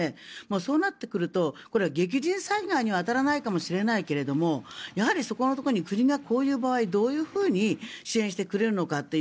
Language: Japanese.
そうなってくると激甚災害には当たらないかもしれないけどやはりそこのところに国がどういうふうに支援してくれるのかという。